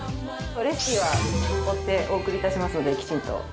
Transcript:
和田：レシピは、追ってお送りいたしますので、きちんと。